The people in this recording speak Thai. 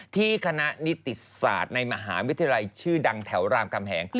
ที่คณะนิติศาสตร์ในมหาวิทยาลัยชื่อดังแถวรามคำแหง